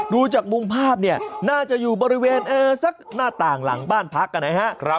ดูจากมุมภาพเนี่ยน่าจะอยู่บริเวณสักหน้าต่างหลังบ้านพักนะฮะ